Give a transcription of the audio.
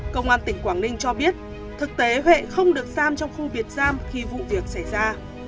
công an tỉnh quảng ninh cho biết thực tế huệ không được giam trong khu biệt giam khi vụ việc xảy ra